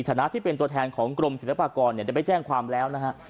ฐานะที่เป็นตัวแทนของกรมศิลปากรจะไปแจ้งความแล้วนะฮะ